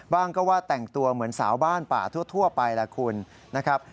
ว่าก็ว่าแต่งตัวเหมือนสาวบ้านป่าทั่วไปแหละคุณนะครับ